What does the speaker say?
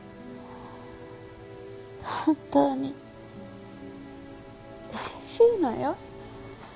本当にうれしいのよ。